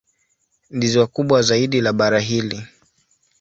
Ni ziwa kubwa zaidi la bara hili.